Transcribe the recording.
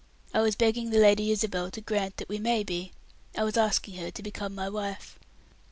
I was begging the Lady Isabel to grant that we may be; I was asking her to become my wife."